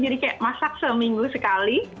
jadi kayak masak seminggu sekali